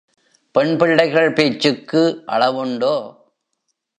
பெண் பிள்ளைகள் பேச்சுக்கு அளவுண்டோ?